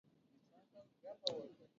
شینې ځمکې او زړونه په روښانه شي.